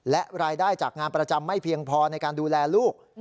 และรายได้จากงานประจำไม่เพียงพอในการดูแลลูก